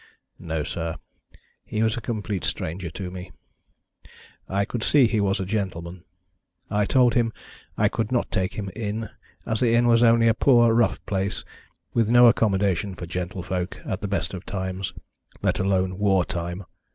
"No, sir. He was a complete stranger to me. I could see he was a gentleman. I told him I could not take him in, as the inn was only a poor rough place, with no accommodation for gentlefolk at the best of times, let alone war time.